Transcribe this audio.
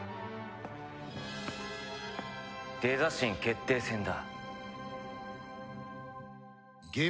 デザ神決定戦だ。